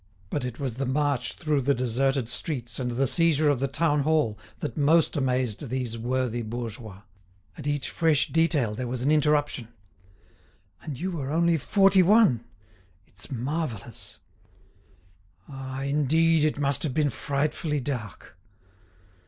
But it was the march through the deserted streets and the seizure of the town hall that most amazed these worthy bourgeois. At each fresh detail there was an interruption. "And you were only forty one; it's marvellous!" "Ah, indeed! it must have been frightfully dark!"